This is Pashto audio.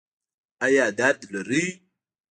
ایا درد لرئ؟